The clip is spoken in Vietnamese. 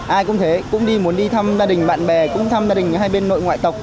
ai cũng thế cũng đi muốn đi thăm gia đình bạn bè cũng thăm gia đình hai bên nội ngoại tộc